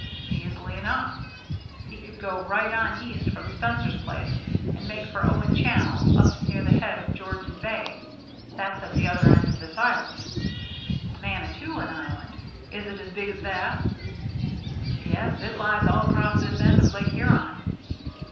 " Easily enough. He could go right on east from Spencer's place and make for Owen Channel, up near the head of Georgian Bay. That's at the other end of this island." " Manitoulin Island ? Is it as big as that ?" "Yes, it lies all across this end of Lake Huron.